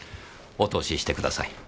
お通ししてください。